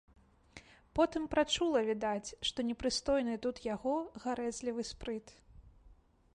Потым прачула, відаць, што непрыстойны тут яго гарэзлівы спрыт.